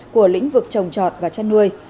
của lĩnh vực trồng trọt và chăn nuôi